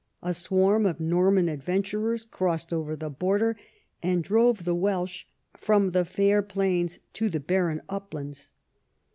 A swarm of Norman adventurers crossed over the border and drove the Welsh from the fair plains to the barren uplands.